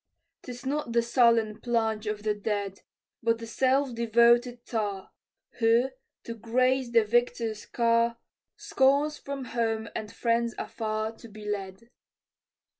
'Tis not the sullen plunge of the dead, But the self devoted tar, Who, to grace the victor's car, Scorns from home and friends afar To be led.